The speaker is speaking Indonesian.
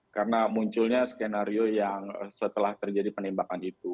karena munculnya skenario yang setelah terjadi penembakan itu